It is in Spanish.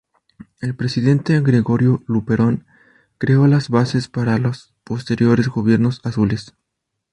El presidente Gregorio Luperón creó las bases para los posteriores gobiernos azules.